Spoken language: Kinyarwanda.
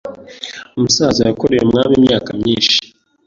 Umusaza yakoreye umwami imyaka myinshi.